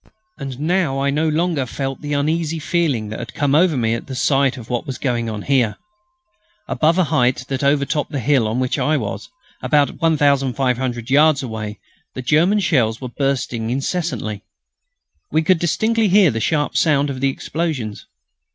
And now I no longer felt the uneasy feeling that had come over me at the sight of what was going on here. Above a height that overtopped the hill on which I was, and about 1,500 yards away, the German shells were bursting incessantly. We could distinctly hear the sharp sound of the explosions.